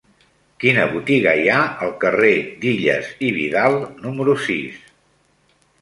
Quina botiga hi ha al carrer d'Illas i Vidal número sis?